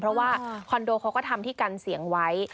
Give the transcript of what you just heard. เพราะว่าคอนโดเขาก็ทำที่กันเสียงไว้